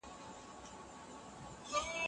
که انلاین کورس منظم وي، ګډوډي نه پېښېږي.